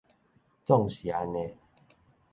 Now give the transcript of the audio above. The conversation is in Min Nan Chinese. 總是按呢